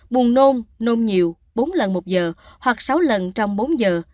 buồn nôn nôn nhiều bốn lần một giờ hoặc sáu lần trong bốn giờ